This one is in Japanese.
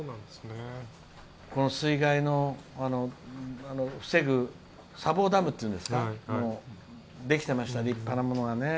この水害を防ぐ砂防ダムっていうんですかできてました、立派なものが。